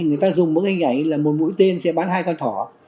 người ta dùng mỗi hình ảnh là một mũi tên sẽ bán hai con thỏ